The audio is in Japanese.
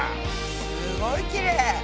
すごいきれい！